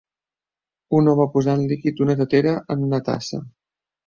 Un home posant líquid d'una tetera en una tassa.